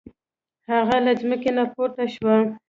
هغه له ځمکې نه پورته شو.